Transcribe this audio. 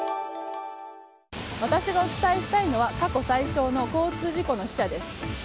私がお伝えしたいのは過去最少の交通事故の死者です。